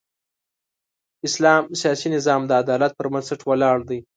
اسلام سیاسي نظام د عدالت پر بنسټ ولاړ دی.